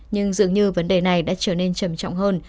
nhưng dường như vấn đề này đã trở nên trầm trọng hơn